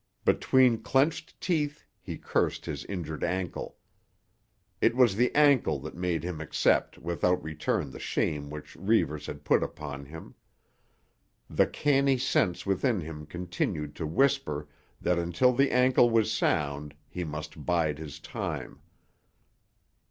Between clenched teeth he cursed his injured ankle. It was the ankle that made him accept without return the shame which Reivers had put upon him. The canny sense within him continued to whisper that until the ankle was sound he must bide his time.